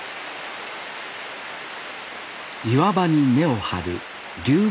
岩場に根を張るリュウ